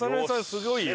すごいよ。